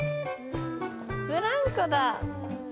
ブランコだ。